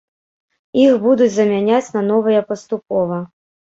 Іх будуць замяняць на новыя паступова.